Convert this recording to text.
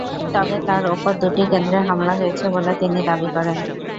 তবে তাঁর ওপর দুটি কেন্দ্রে হামলা হয়েছে বলে তিনি দাবি করেন।